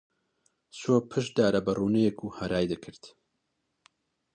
چووە پشت دارە بەڕوونێیەک و هەرای دەکرد.